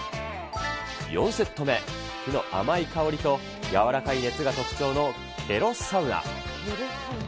４セット目、木の甘い香りとやわらかい熱が特徴のケロサウナ。